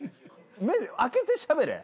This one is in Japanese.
目開けてしゃべれ。